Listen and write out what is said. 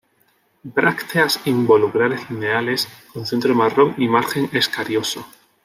Brácteas involucrales lineales, con centro marrón y margen escarioso.